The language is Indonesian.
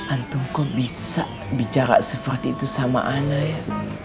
antung kok bisa bicara seperti itu sama ana ya